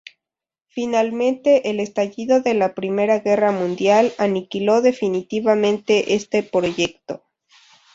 Finalmente, el estallido de la Primera Guerra Mundial aniquiló definitivamente este proyecto.